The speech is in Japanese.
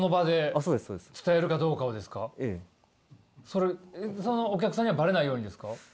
それそのお客さんにはバレないようにですか？